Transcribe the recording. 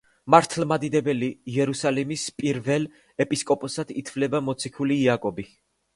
მართლმადიდებელი იერუსალიმის პირველ ეპისკოპოსად ითვლება მოციქული იაკობი.